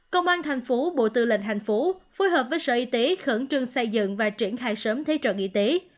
công an thành phố bộ tư lệnh thành phố phối hợp với sở y tế khẩn trương xây dựng và triển khai sớm thế trận y tế